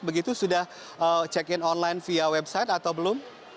begitu sudah check in online via website atau belum